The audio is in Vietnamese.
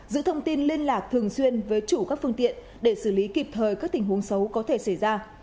giữ thông tin liên lạc thường xuyên với chủ các phương tiện để xử lý kịp thời các tình huống xấu có thể xảy ra